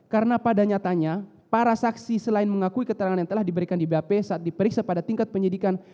karena pada nyatanya para saksi selain mengakui keterangan yang telah diberikan di bap saat diperiksa pada tingkat penyidikan